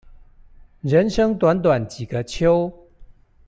人生短短幾個秋